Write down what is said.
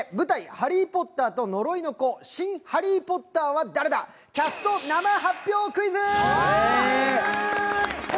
「ハリー・ポッターと呪いの子」、新ハリー・ポッターは誰だ、キャスト生発表クイズ！！